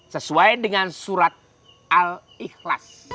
sesuai dengan surat al ikhlas